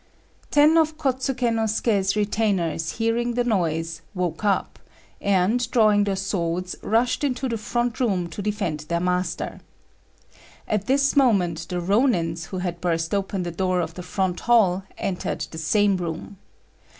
Ten of Kôtsuké no Suké's retainers, hearing the noise, woke up; and, drawing their swords, rushed into the front room to defend their master. At this moment the Rônins, who had burst open the door of the front hall, entered the same room.